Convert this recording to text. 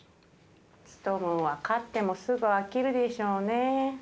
ツトムンは飼ってもすぐ飽きるでしょうね。